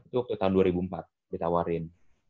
itu waktu tahun dua ribu empat ditawarin